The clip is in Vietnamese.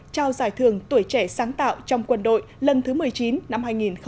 trao giải thưởng tuổi trẻ sáng tạo trong quân đội lần thứ một mươi chín năm hai nghìn hai mươi